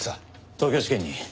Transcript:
東京地検に。